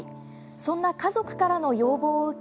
そんな家族からの要望を受け